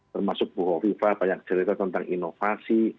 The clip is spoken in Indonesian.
termasuk bu hovifa banyak cerita tentang inovasi